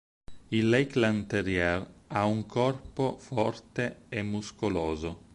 Il Lakeland terrier ha un corpo forte e muscoloso.